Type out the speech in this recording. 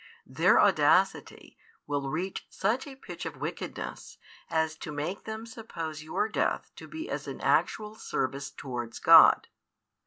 Their audacity will reach such a pitch of wickedness as to make them suppose your death to be as an actual service towards God.